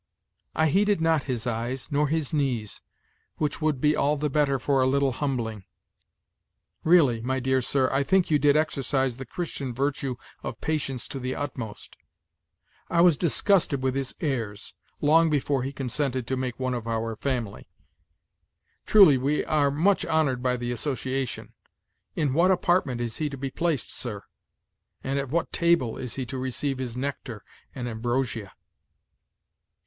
"I heeded not his eyes, nor his knees, which would be all the better for a little humbling. Really, my dear sir, I think you did exercise the Christian virtue of patience to the utmost. I was disgusted with his airs, long before he consented to make one of our family. Truly we are much honored by the association! In what apartment is he to be placed, sir; and at what table is he to receive his nectar and ambrosia?"